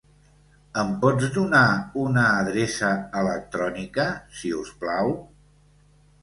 Em pots donar una adreça electrònica, si us plau?